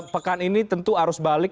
pekan ini tentu arus balik